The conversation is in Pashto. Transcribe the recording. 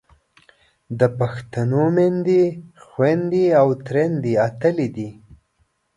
د پښتنو میندې، خویندې او تریندې اتلې دي.